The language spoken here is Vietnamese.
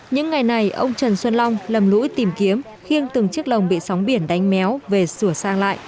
những ngày này ông trần xuân long lầm lỗi tìm kiếm khiêng từng chiếc lồng bị sóng biển đánh méo về sửa sang lại